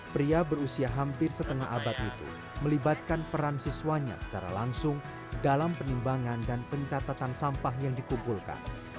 pria berusia hampir setengah abad itu melibatkan peran siswanya secara langsung dalam penimbangan dan pencatatan sampah yang dikumpulkan